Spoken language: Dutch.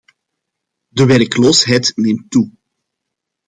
De werkloosheid neemt toe.